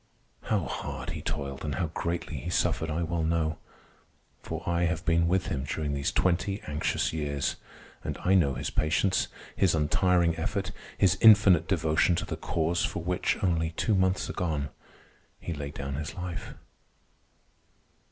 How hard he toiled and how greatly he suffered, I well know; for I have been with him during these twenty anxious years and I know his patience, his untiring effort, his infinite devotion to the Cause for which, only two months gone, he laid down his life.